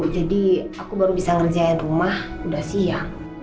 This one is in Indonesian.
jadi aku baru bisa ngerjain rumah udah siang